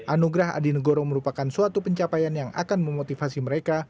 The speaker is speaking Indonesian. anugerah adi negoro merupakan suatu pencapaian yang akan memotivasi mereka